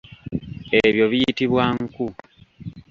Ebyo biyitibwa nku.